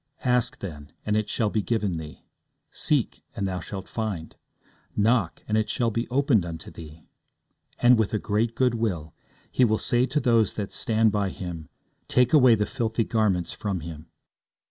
Ask, then, and it shall be given thee; seek, and thou shalt find; knock, and it shall be opened unto thee. And with a great goodwill, He will say to those that stand by Him, Take away the filthy garments from him.